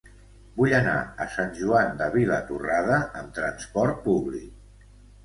Vull anar a Sant Joan de Vilatorrada amb trasport públic.